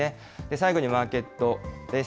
最後にマーケットです。